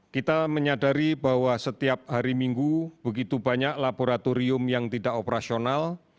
kita menyadari bahwa setiap hari minggu begitu banyak laboratorium yang tidak operasional